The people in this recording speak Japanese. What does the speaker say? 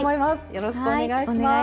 よろしくお願いします。